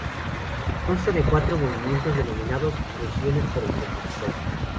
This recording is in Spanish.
Consta de cuatro movimientos, denominados "regiones" por el compositor.